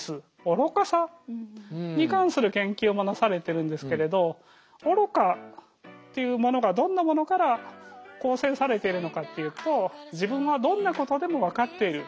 に関する研究もなされてるんですけれど愚かというものがどんなものから構成されてるのかっていうと自分はどんなことでも分かっている。